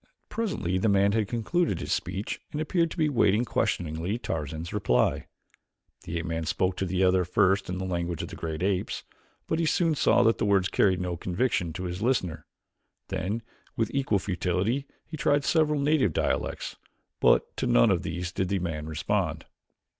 Presently the man had concluded his speech and appeared to be waiting questioningly Tarzan's reply. The ape man spoke to the other first in the language of the great apes, but he soon saw that the words carried no conviction to his listener. Then with equal futility he tried several native dialects but to none of these did the man respond.